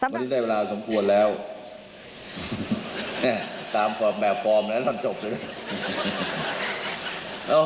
วันนี้ได้เวลาสมควรแล้วเนี่ยตามแบบฟอร์มแล้วทำจบเลย